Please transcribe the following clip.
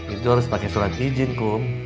itu harus pakai surat izin kum